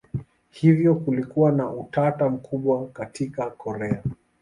Hivyo kulikuwa na utata mkubwa katika Korea.